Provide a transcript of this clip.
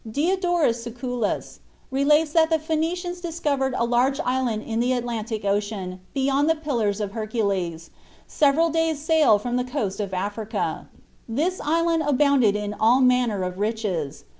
Diodorus Siculus relates that the Phoenicians discovered "a large island in the Atlantic Ocean, beyond the Pillars of Hercules, several days' sail from the coast of Africa. This island abounded in all manner of riches.